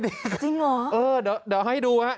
จริงเหรอเออเดี๋ยวให้ดูฮะ